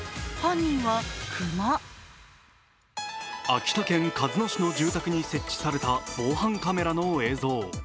秋田県鹿角市の住宅に設置された防犯カメラの映像。